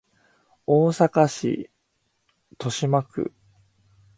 大阪市都島区